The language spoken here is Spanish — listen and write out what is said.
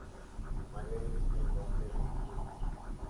María Luisa y Walter no tuvieron hijos.